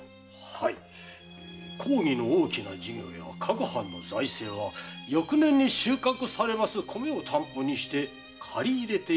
はい公儀の大きな事業や各藩の財政は翌年に収穫される米を担保にして借り入れているのが実情です。